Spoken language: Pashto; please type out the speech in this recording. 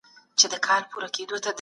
هغوی پرون خبري کولې.